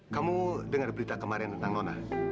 kamu dengar berita kemarin tentang nona